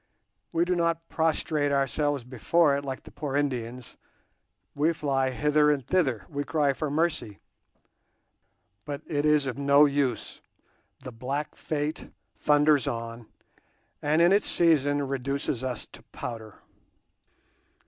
We do not prostrate ourselves before it like the poor Indians; we fly hither and thither—we cry for mercy; but it is of no use, the black Fate thunders on and in its season reduces us to powder.